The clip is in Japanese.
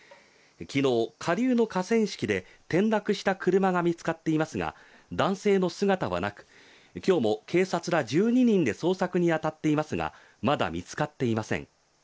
昨日、下流の河川敷で、転落した車が見つかっていますが、男性の姿はなく、今日も警察が１２人で捜索に当たっていますがまだ見つかっていません。